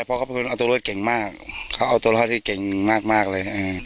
ใช่เพราะเขาเป็นคนอัตโรธเก่งมากเขาอัตโรธที่เก่งมากมากเลยอ่า